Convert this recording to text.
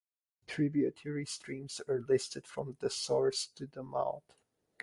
Tributary streams are listed from the source to the mouth.